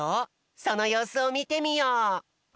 そのようすをみてみよう。